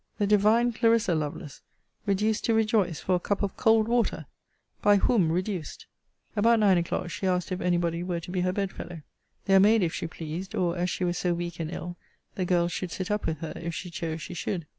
The divine Clarissa, Lovelace, reduced to rejoice for a cup of cold water! By whom reduced? About nine o'clock she asked if any body were to be her bedfellow. Their maid, if she pleased; or, as she was so weak and ill, the girl should sit up with her, if she chose she should.